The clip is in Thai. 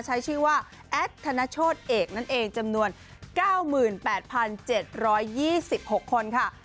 ใช้ชื่อว่าแอดธนโชธเอกนั่นเองจำนวน๙๘๗๒๖คนค่ะ